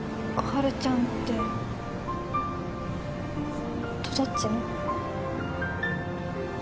春ちゃんってとどっちの？